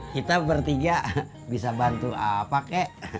kita bertiga bisa bantu apa kek